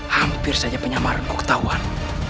hampir saja penyamaran kuk tahuan